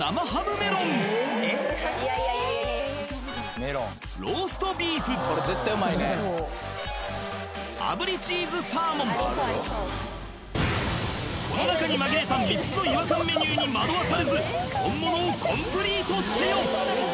メロンこれ絶対うまいねありそうこの中に紛れた３つの違和感メニューに惑わされず本物をコンプリートせよ！